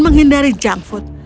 menghindari junk food